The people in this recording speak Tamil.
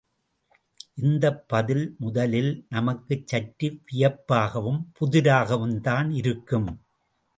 இந்தப் பதில் முதலில் நமக்குச் சற்று வியப்பாகவும் புதிராகவும்தான் இருக்கும்.